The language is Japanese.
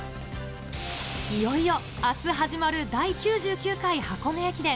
いよいよあす始まる第９９回箱根駅伝。